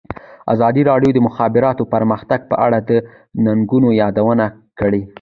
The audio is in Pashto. ازادي راډیو د د مخابراتو پرمختګ په اړه د ننګونو یادونه کړې.